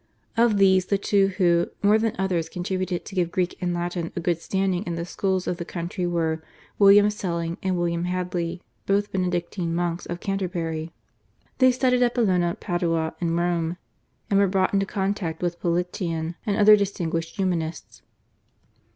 Of these the two who, more than others, contributed to give Greek and Latin a good standing in the schools of the country were William Selling and William Hadley, both Benedictine monks of Canterbury. They studied at Bologna, Padua and Rome, and were brought into contact with Politian and other distinguished Humanists.